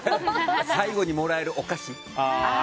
最後にもらえるお菓子。